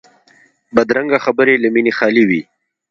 بدرنګه خبرې له مینې خالي وي